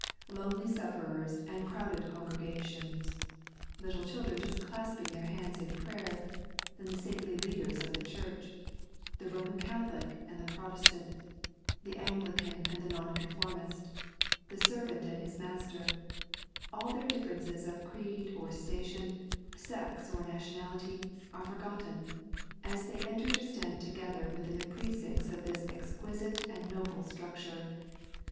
Lonely sufferers and crowded congregations ; little children just clasping their hands in prayer, and the saintly leaders of the Ghuroh ; the Aoman Catholic and the Pro testant ; the Anglican and the Nonconformist ; the servant and his master — all their differences of creed or station, sex or nationality, are forgotten, as they enter to stand together within the precincts of this exquisite and noble structure.